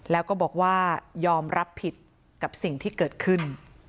แล้วก็บอกว่ายอมรับผิดกับสิ่งที่เกิดขึ้น